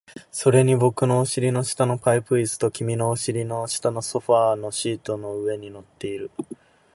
それに僕のお尻の下のパイプ椅子と、君のお尻の下のソファーもシートの上に乗っている